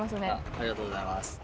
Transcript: ありがとうございます。